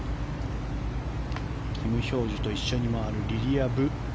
キム・ヒョージュと一緒に回るリリア・ブ。